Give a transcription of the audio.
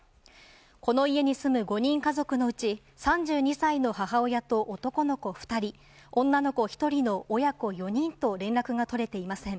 この家に住む５人家族のうち３２歳の母親と男の子２人、女の子１人の親子４人と連絡が取れていません。